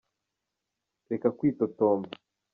Reka kwitotomba.